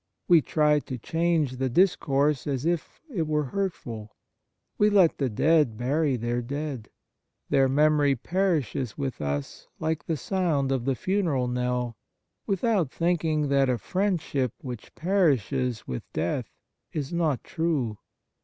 We try to change the discourse as if it were hurtful. We let the dead bury their dead. Their memory perishes with us like the sound of the funeral knell, without thinking that a friendship which perishes with death is not true.